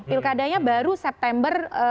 pilkadanya baru september